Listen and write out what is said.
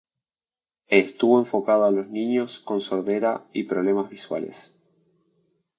Estuvo enfocado a los niños con sordera y problemas visuales.